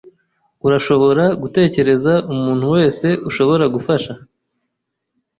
Urashobora gutekereza umuntu wese ushobora gufasha?